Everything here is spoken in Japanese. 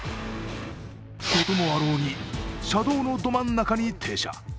こともあろうに車道のど真ん中に停車。